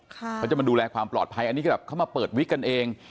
เขาจะมาดูแลความปลอดภัยอันนี้ก็แบบเขามาเปิดวิกกันเอง